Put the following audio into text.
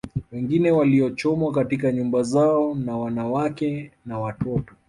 Wengine walichomwa katika nyumba zao na wanawake na watoto